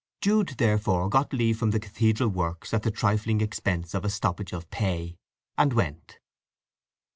Jude therefore got leave from the cathedral works at the trifling expense of a stoppage of pay, and went.